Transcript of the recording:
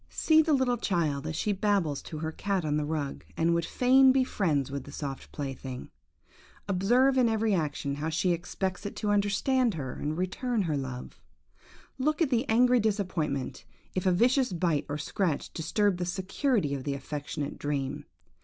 See the little child as she babbles to her cat on the rug, and would fain be friends with the soft plaything. Observe in every action how she expects it to understand her, and return her love. Look at the angry disappointment, if a vicious bite or scratch disturb the security of the affectionate dream.